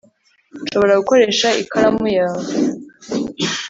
nshobora gukoresha ikaramu yawe